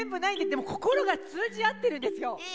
でも心が通じ合ってるんですよ。